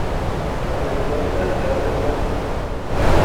Alessandra Cesar de Assis